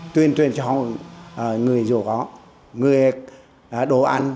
tuyên truyền cho người dù có người đồ ăn